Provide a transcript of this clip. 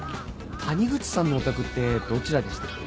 谷口さんのお宅ってどちらでしたっけ？